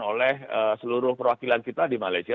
oleh seluruh perwakilan kita di malaysia